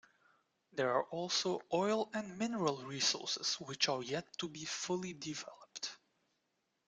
There are also oil and mineral resources which are yet to be fully developed.